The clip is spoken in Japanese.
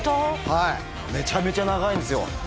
はいめちゃめちゃ長いんですよ